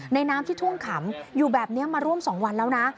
น้ำที่ท่วมขังอยู่แบบนี้มาร่วม๒วันแล้วนะ